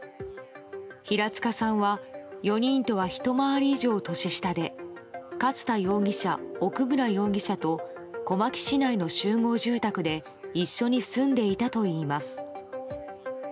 平塚さんは４人とはひと回り以上年下で勝田容疑者、奥村容疑者と小牧市内の集合住宅で一緒に住んでいたといいます。